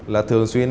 là thường xuyên